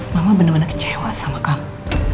mama bener bener kecewa sama kamu